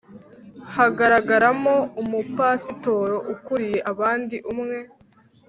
hagaragaramo Umupasitori ukuriye abandi umwe